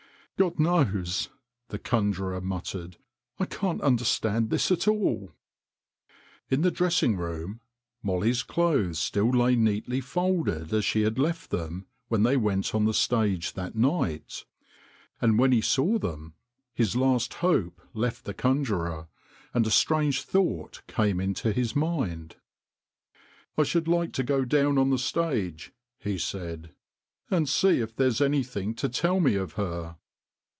" God knows," the conjurer muttered, " I can't understand this at all." In the dressing room Molly's clothes still THE CONJURER 205 lay neatly folded as she had left them when they went on the stage that night, and when he saw them his last hope left the conjurer, and a strange thought came into his mind. " I should like to go down on the stage," he said, " and see if there is anything to tell me of her."